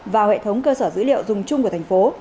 vào hệ thống cơ sở dữ liệu dùng chung của tp